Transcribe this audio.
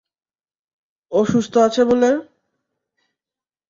ও সুস্থ আছে বলে?